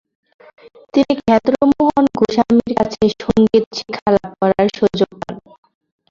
তিনি ক্ষেত্রমোহন গোস্বামী-র কাছে সঙ্গীত শিক্ষালাভ করার সুযোগ পান।